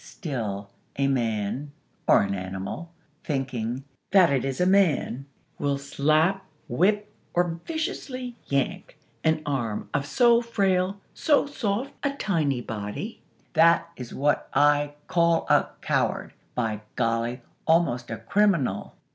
Still, a man, or an animal thinking that it is a man will slap, whip, or viciously yank an arm of so frail, so soft a tiny body! That is what I call a coward!! By golly! almost a _criminal!